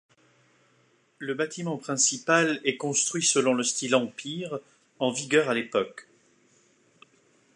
Le bâtiment principal est construit selon le style Empire, en vigueur à l'époque.